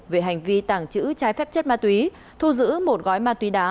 về hành vi tàng trữ trái phép chất ma túy thu giữ một gói ma túy đá